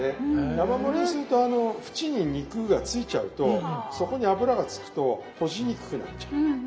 山盛りにすると縁に肉が付いちゃうとそこに脂が付くと閉じにくくなっちゃう。